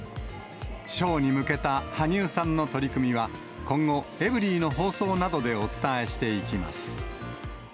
ショーに向けた羽生さんの取り組みは、今後、エブリィの放送などでお伝えしていきます。